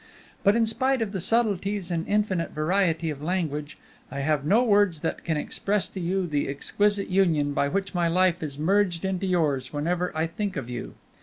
But, in spite of the subtleties and infinite variety of language, I have no words that can express to you the exquisite union by which my life is merged into yours whenever I think of you.